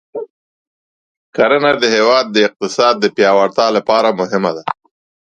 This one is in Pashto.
کرنه د هېواد د اقتصاد د پیاوړتیا لپاره مهمه ده.